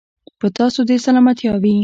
په تاسو دې سلامتيا وي.